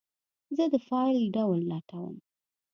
زه د فایل ډول لټوم.